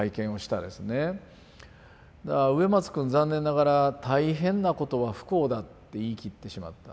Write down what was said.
だから植松くん残念ながら「大変なことは不幸だ」って言い切ってしまった。